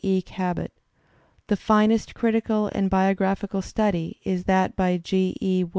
E. Cabot. The finest critical and biographical study is that by G. E.